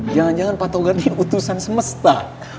jangan jangan patogar ini utusan semesta